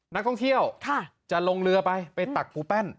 นักท่องเที่ยวจะลงเรือไปไปตักปูแป้น